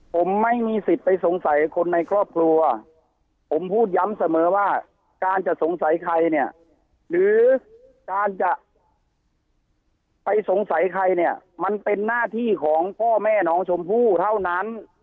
ผมไม่มีสิทธิ์ไปสงสัยคนในครอบครัวผมพูดย้ำเสมอว่าการจะสงสัยใครเนี่ยหรือการจะไปสงสัยใครเนี่ยมันเป็นหน้าที่ของพ่อแม่น้องชมพู่เท่านั้น